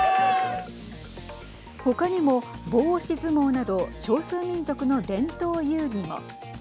他にも棒押し相撲など少数民族の伝統遊戯も。